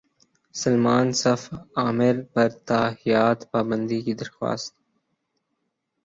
سلمان صف عامر پر تاحیات پابندی کی درخواست